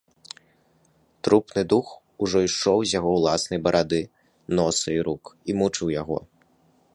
Трупны дух ужо ішоў з яго ўласнай барады, носа і рук і мучыў яго.